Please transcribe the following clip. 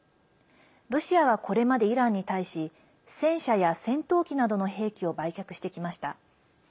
ロシアは、これまでイランに対し戦車や戦闘機などの兵器を売却してきました。